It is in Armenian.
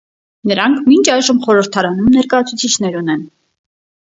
Նրանք մինչ այժմ խորհրդարանում ներկայացուցիչներ ունեն։